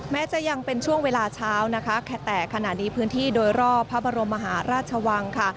แม้จะยังเป็นช่วงเวลาเช้านะคะแต่ขณะนี้พื้นที่โดยรอบพระบรมมหาราชวังค่ะ